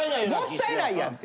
もったいないやんって。